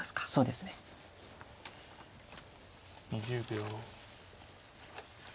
２０秒。